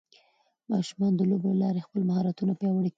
ماشومان د لوبو له لارې خپل مهارتونه پیاوړي کوي.